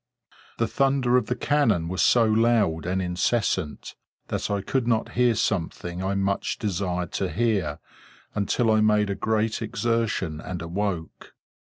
The thunder of the cannon was so loud and incessant, that I could not hear something I much desired to hear, until I made a great exertion and awoke.